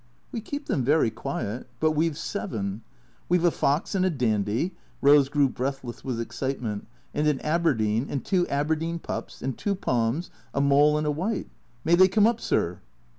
" We keep them very quiet ; but we 've seven. We 've a fox and a dandy" (Rose grew breathless with excitement), "and an Aberdeen, and two Aberdeen pups, and two Poms, a mole and a Mdiite. May they come up, sir